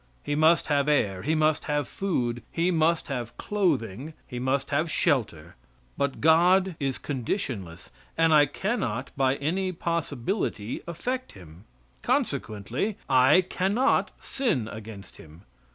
He must have air; he must have food, he must have clothing; he must have shelter; but God is conditionless, and I cannot by any possibility affect Him. Consequently I cannot sin against Him.